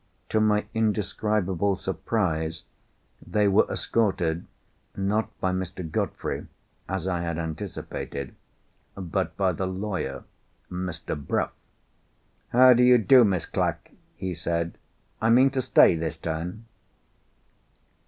To my indescribable surprise, they were escorted, not by Mr. Godfrey (as I had anticipated), but by the lawyer, Mr. Bruff. "How do you do, Miss Clack?" he said. "I mean to stay this time."